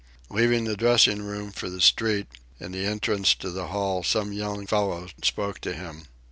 Leaving the dressing room for the street, in the entrance to the hall, some young fellow spoke to him.